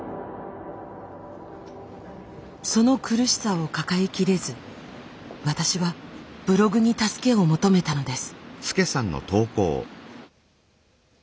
その苦しさを抱えきれず私はブログに助けを求めたのです。